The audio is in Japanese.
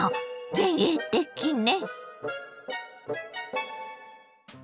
前衛的ね。